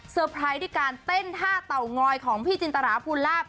ไพรส์ด้วยการเต้นท่าเต่างอยของพี่จินตราภูลาภ